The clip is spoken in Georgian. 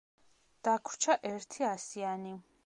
დაგვრჩა ერთი ასიანი.